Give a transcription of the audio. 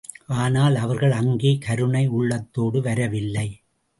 ஆனால், அவர்கள் அங்கே கருணை உள்ளத்தோடு வரவில்லை.